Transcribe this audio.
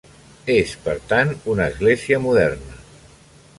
És, per tant, una església moderna.